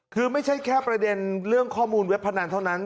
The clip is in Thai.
คือไม่ใช่แค่ประเด็นเรื่องข้อมูลเว็บพนันเท่านั้น